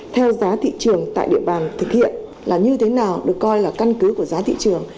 theo giá thị trường tại địa bàn thực hiện là như thế nào được coi là căn cứ của giá thị trường